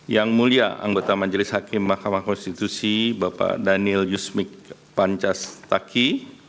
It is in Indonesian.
yang mulia anggota majelis hakim mahkamah konstitusi bapak daniel yusmik pancasila